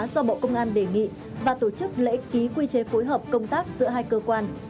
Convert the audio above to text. do bộ công an đề nghị và tổ chức lễ ký quy chế phối hợp công tác giữa hai cơ quan